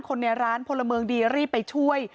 คนในร้านพลเมืองดีรีบไปช่วย